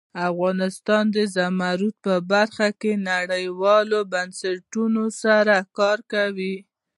افغانستان د زمرد په برخه کې نړیوالو بنسټونو سره کار کوي.